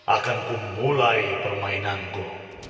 akan ku mulai permainanku